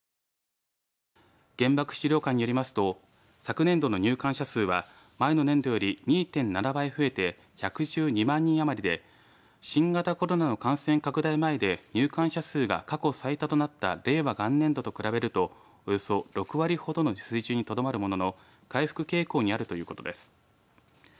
原爆資料館によりますと昨年度の入館者数は前の年度より２．７倍増えて１１２万人余りで新型コロナの感染拡大前で入館者数が過去最多となった令和元年度と比べるとおよそ６割ほどの水準にとどまるものの回復傾向にあるということです。